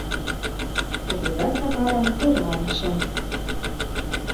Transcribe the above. Кугыза Сакарым тура онча.